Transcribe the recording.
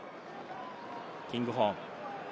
キングホーン。